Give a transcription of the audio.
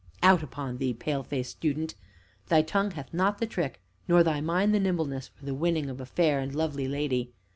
Out upon thee, pale faced student! Thy tongue hath not the trick, nor thy mind the nimbleness for the winning of a fair and lovely lady.